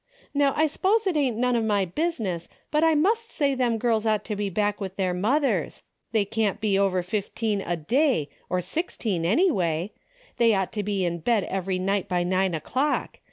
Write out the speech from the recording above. How I s'pose it ain't none of my business, but I must say them girls ought to 208 DAILY BATEA^ be back with their mothers. They can't be over fifteen a day, or sixteen anyway. They ought to be in bed every night by nine o'clock.